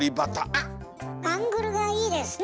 あっアングルがいいですね。